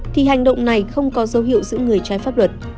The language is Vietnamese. thì hành động này không có dấu hiệu giữ người trái pháp luật